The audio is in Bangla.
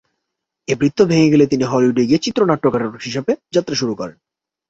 এ বৃত্ত ভেঙে গেলে তিনি হলিউডে গিয়ে চিত্রনাট্যকার হিসেবে যাত্রা শুরু করেন।